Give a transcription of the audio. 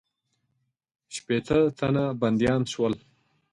شپېته تنه بندیان شول.